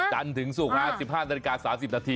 จันทร์ถึงสุก๑๕น๓๐น